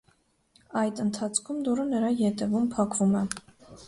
Այդ ընթացքում դուռը նրա ետևում փակվում է։